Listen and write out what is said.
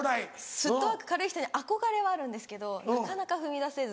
フットワーク軽い人に憧れはあるんですけどなかなか踏み出せず。